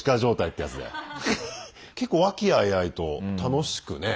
結構和気あいあいと楽しくね。